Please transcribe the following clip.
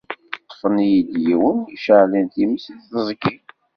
Ṭṭfen-d yiwen iceɛɛlen times deg teẓgi.